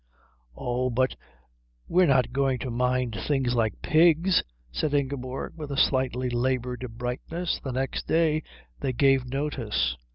"Oh, but we're not going to mind things like pigs!" said Ingeborg with a slightly laboured brightness. The next day they gave notice.